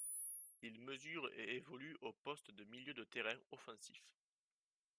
Il mesure et évolue au poste de milieu de terrain offensif.